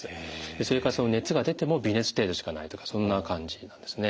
それから熱が出ても微熱程度しかないとかそんな感じなんですね。